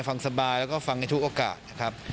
ฟังสบายแล้วก็ฟังในทุกโอกาสนะครับ